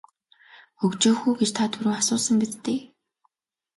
Хөгжөөх үү гэж та түрүүн асуусан биз дээ.